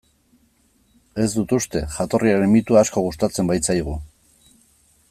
Ez dut uste, jatorriaren mitoa asko gustatzen baitzaigu.